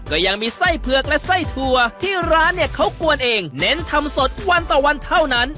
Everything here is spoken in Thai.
ก็ยังมีไส้เผือกและไส้ถั่วที่ร้านเนี่ยเขากวนเองเน้นทำสดวันต่อวันเท่านั้น